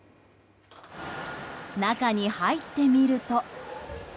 中に入ってみると。